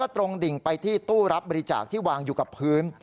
ตรงดิ่งไปที่ตู้รับบริจาคที่วางอยู่กับพื้น